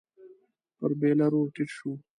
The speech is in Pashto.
پر بېلر ور ټيټ شو.